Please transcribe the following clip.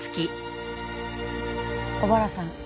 小原さん